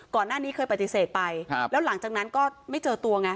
ก่อนหน้านี้เคยปฏิเสธไปแล้วหลังจากนั้นก็ไม่เจอตัวไง